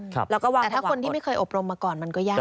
แต่ถ้าคนที่ไม่เคยอบรมมาก่อนมันก็ยาก